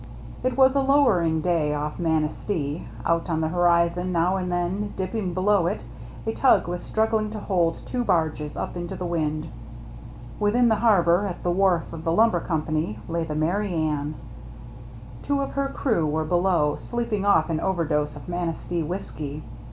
It was a lowering day off Manistee. Out on the horizon, now and then dipping below it, a tug was struggling to hold two barges up into the wind. Within the harbor, at the wharf of the lumber company, lay the Merry Anne. Two of her crew were below, sleeping off an overdose of Manistee whiskey.